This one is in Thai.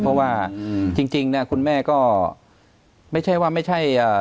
เพราะว่าอืมจริงจริงเนี้ยคุณแม่ก็ไม่ใช่ว่าไม่ใช่อ่า